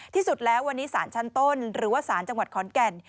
ที่สุดแล้ววันนี้สารชั้นต้นหรือว่าสารจังหวัดขอนแก่น